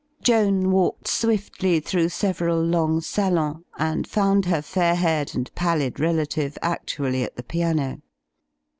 Joan walked swiftly through several long salons, and found her fair haired and pallid relative actually at the piano.